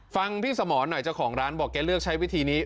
ฟังพี่สมรหน่อยเจ้าของร้านบอกแกเลือกใช้วิธีนี้